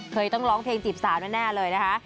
เคยต้องร้องเพลงนั้นแน่เลยนะคะ